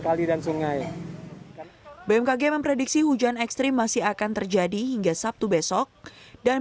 kali dan sungai bmkg memprediksi hujan ekstrim masih akan terjadi hingga sabtu besok dan